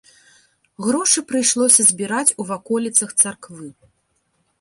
Грошы прыйшлося збіраць у ваколіцах царквы.